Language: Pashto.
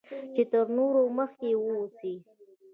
چې تر نورو مخکې واوسی